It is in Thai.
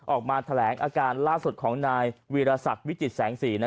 ออกมาแถลงอาการล่าสุดของนายวีรศักดิ์วิจิตแสงสี